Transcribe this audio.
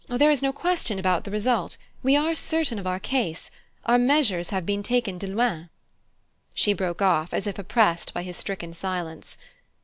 Oh, there is no question about the result: we are certain of our case our measures have been taken de loin." She broke off, as if oppressed by his stricken silence.